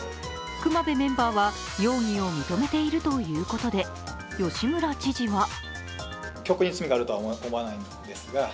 隈部メンバーは容疑を認めているということで吉村知事は